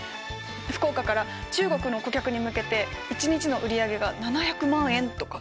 福岡から中国の顧客に向けて一日の売り上げが７００万円とか。